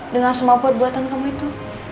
dengan semua buat buatan kamu itu